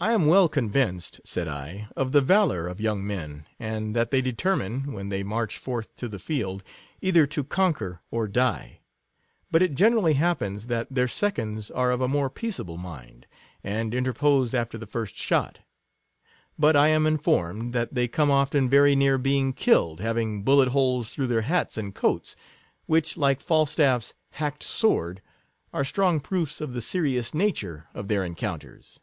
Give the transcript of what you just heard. I am well convinced, said I, of the valour of our young men, and that they determine, when they march forth to the field, either to conquer or die; but it gene rally happens, that their seconds are of a more peaceable mind, and interpose after the first shot; but I am informed, that they come often very near being killed, having bullet holes through their hats and coats ; which, like FalstafTs hacked sword, are strong 69 proofs of the serious nature of their encoun ters.